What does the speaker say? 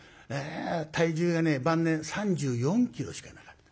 体重がね晩年３４キロしかなかった。